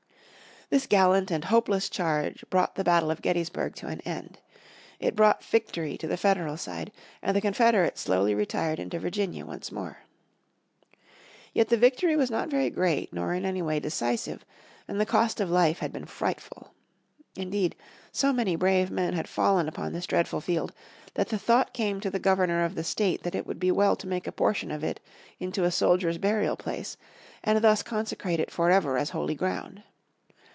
This gallant and hopeless charge brought the battle of Gettysburg to an end. It brought victory to the Federal side, and the Confederates slowly retired into Virginia once more. Yet the victory was not very great nor in any way decisive, and the cost of life had been frightful. Indeed, so many brave men had fallen upon this dreadful field that the thought came to the Governor of the state that it would be well to make a portion of it into a soldiers' burial place and thus consecrate it forever as holy ground.